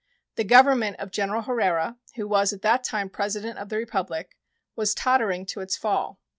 The Government of General Herrera, who was at that time President of the Republic, was tottering to its fall.